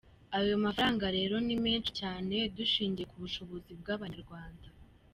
Ayo mafaranga rero ni menshi cyane dushingiye ku bushobozi bw’abanyarwanda.